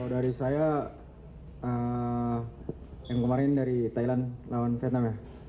dari saya yang kemarin dari thailand lawan vietnam ya